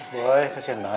boy kesian banget